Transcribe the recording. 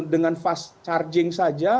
dengan fast charging saja